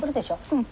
うん。